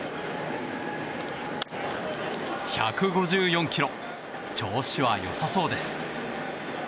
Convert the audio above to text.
１５４キロ調子は良さそうです。